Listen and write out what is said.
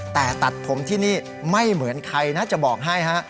แต่ตัดผมที่นี่ไม่เหมือนใครนะจะบอกให้ฮะ